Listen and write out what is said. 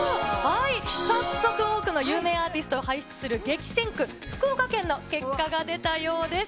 早速多くの有名アーティストを輩出する激戦区、福岡県の結果が出たようです。